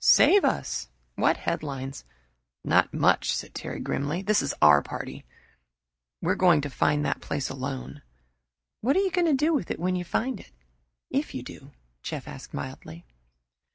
Save us! What headlines!" "Not much!" said Terry grimly. "This is our party. We're going to find that place alone." "What are you going to do with it when you do find it if you do?" Jeff asked mildly.